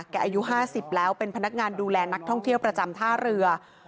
อายุ๕๐แล้วเป็นพนักงานดูแลนักท่องเที่ยวประจำท่าเรือ